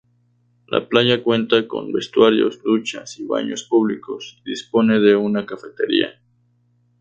La playa cuenta con vestuarios, duchas y baños públicos, y dispone de una cafetería.